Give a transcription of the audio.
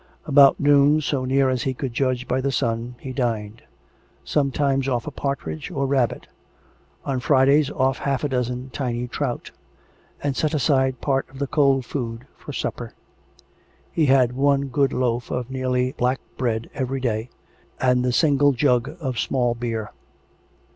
About noon, so near as he could j udge by the sun, he dined ; some times off a partridge or rabbit; on Fridays off half a dozen tiny trout; and set aside part of the cold food for supper; he had one good loaf of nearly black bread every day, and the single jug of small beer.